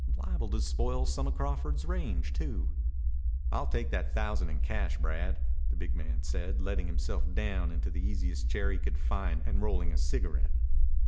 Liable to spoil some of Crawford's range too." "I'll take that thousand in cash, Brad," the big man said, letting himself down into the easiest chair he could find and rolling a cigarette.